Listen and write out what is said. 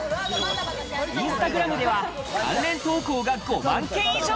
インスタグラムでは関連投稿が５万件以上。